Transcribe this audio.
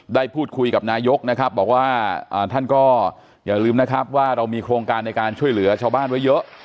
ได้พูดคุยกับนายกนะครับบอกว่าท่านก็อย่าลืมนะครับว่าเรามีโครงการในการช่วยเหลือชาวบ้านไว้เยอะ